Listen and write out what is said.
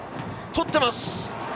とってます！